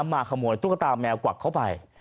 มาขโมยตุ๊กตาแมวกวักเข้าไป